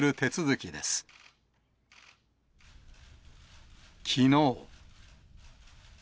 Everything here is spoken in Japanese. きのう。